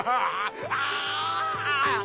ああ。